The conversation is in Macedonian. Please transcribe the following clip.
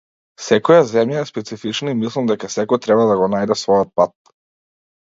Секоја земја е специфична и мислам дека секој треба да го најде својот пат.